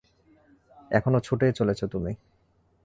এখনও ছুটেই চলেছ তুমি!